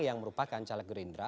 yang merupakan caleg gerindra